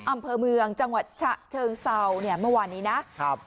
อำเภอเมืองจังหวัดชะเชิงเศราเมื่อวันนี้นะ